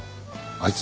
あいつ？